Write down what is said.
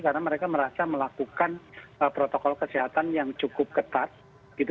karena mereka merasa melakukan protokol kesehatan yang cukup ketat